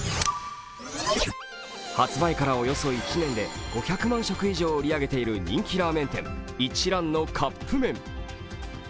発売からおよそ１年で５００万食以上を売り上げている人気ラーメン店・一蘭のカップ麺。